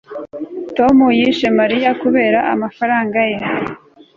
tom yishe mariya kubera amafaranga ye